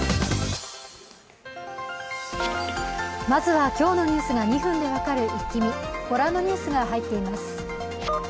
まずは今日のニュースが２分で分かるイッキ見、ご覧のニュースが入っています。